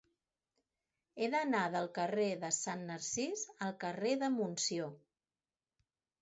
He d'anar del carrer de Sant Narcís al carrer de Montsió.